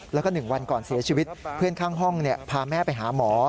แล้วก็๑วันก่อนเสียชีวิตเพื่อนข้างห้องพาแม่ไปหาหมอ